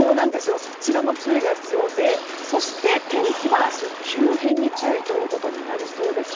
こちらも注意が必要でそして天気は明日急変に注意ということになりそうです。